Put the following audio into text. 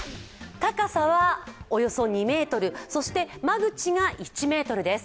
高さはおよそ２ｍ、そして間口が１ｍです。